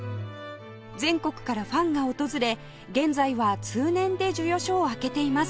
全国からファンが訪れ現在は通年で授与所を開けています